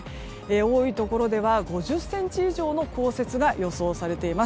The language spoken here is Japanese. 多いところでは５０ｃｍ以上の降雪が予想されています。